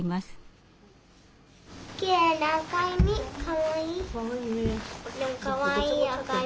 かわいいね。